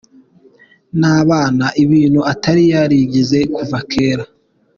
n’abana, ibintu atari yarigeze kuva kera.